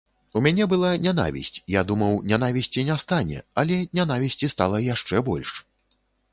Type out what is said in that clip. У мяне была нянавісць, я думаў, нянавісці не стане, але нянавісці стала яшчэ больш.